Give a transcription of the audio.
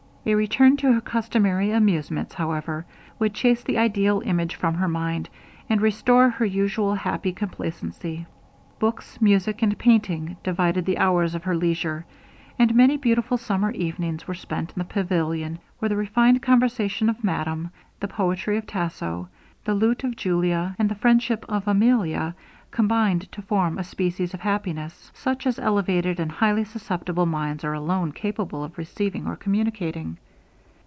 A return to her customary amusements, however, would chase the ideal image from her mind, and restore her usual happy complacency. Books, music, and painting, divided the hours of her leisure, and many beautiful summer evenings were spent in the pavilion, where the refined conversation of madame, the poetry of Tasso, the lute of Julia, and the friendship of Emilia, combined to form a species of happiness, such as elevated and highly susceptible minds are alone capable of receiving or communicating.